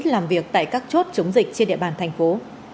làm việc tại các chốt chống dịch trên địa bàn thành phố